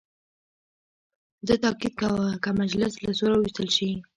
ده تاکید کاوه که مجلس له سوره وویستل شي.